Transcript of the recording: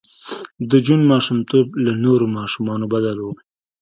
د جون ماشومتوب له نورو ماشومانو بدل و